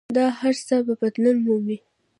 دا هر څه به بدلون مومي.